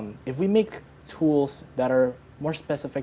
jika kita membuat alat yang lebih spesifik